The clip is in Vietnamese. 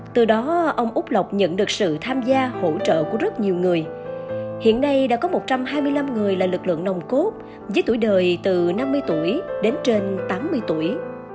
từ đó ông úc lộc nhận được sự tham gia hỗ trợ của rất nhiều người hiện nay đã có một trăm hai mươi năm người là lực lượng nồng cốt với tuổi đời từ năm mươi tuổi đến trên tám mươi tuổi